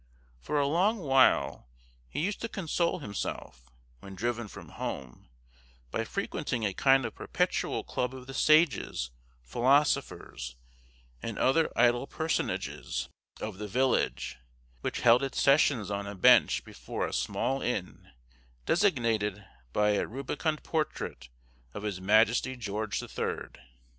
For a long while he used to console himself, when driven from home, by frequenting a kind of perpetual club of the sages, philosophers, and other idle personages of the village, which held its sessions on a bench before a small inn, designated by a rubicund portrait of his Majesty George the Third.